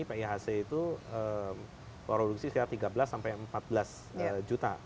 pihc itu produksi sekitar tiga belas sampai empat belas juta